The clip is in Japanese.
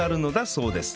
そうです。